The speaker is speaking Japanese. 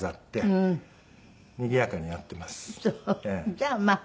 じゃあまあ。